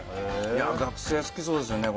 学生は好きそうですよね